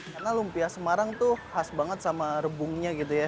karena lumpia semarang tuh khas banget sama rebungnya gitu ya